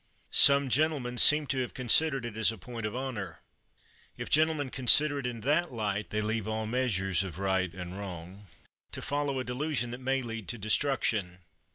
Some gentlemen seem to have considered it as a point of honor. If gentlemen consider it in that light, they leave all measures of right and wrong, to follow a delusion that may lead to destruction.